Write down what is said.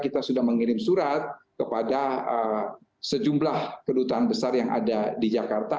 kita sudah mengirim surat kepada sejumlah kedutaan besar yang ada di jakarta